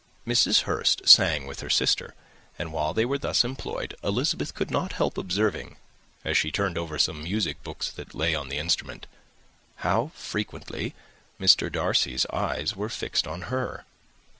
Mrs. Hurst sang with her sister; and while they were thus employed, Elizabeth could not help observing, as she turned over some music books that lay on the instrument, how frequently Mr. Darcy's eyes were fixed on her.